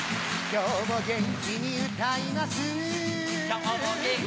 今日も元気に踊ります